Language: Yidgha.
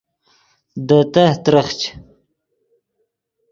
دے تہہ ترخچ